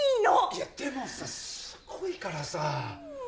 いやでもさすごいからさ。